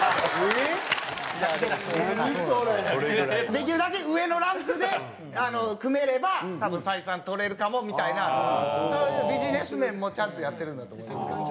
できるだけ上のランクで組めれば多分採算取れるかもみたいなそういうビジネス面もちゃんとやってるんだと思いますけど。